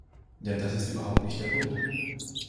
Denn das ist überhaupt nicht der Punkt.